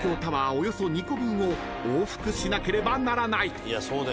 およそ２個分を往復しなければならない］